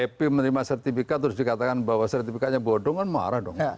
tapi menerima sertifikat terus dikatakan bahwa sertifikannya bodoh kan marah dong